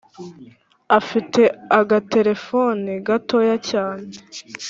Afite agatelephoni gatoya cyane